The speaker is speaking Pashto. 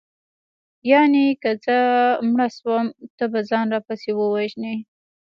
یانې که زه مړه شوم ته به ځان راپسې ووژنې